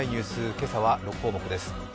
今朝は６項目です。